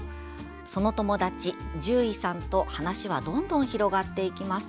その友達、獣医さんと話はどんどん広がっていきます。